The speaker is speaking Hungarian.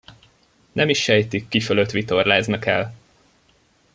Nem is sejtik, ki fölött vitorláznak el!